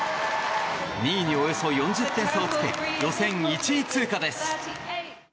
２位におよそ４０点差をつけ予選１位通過です。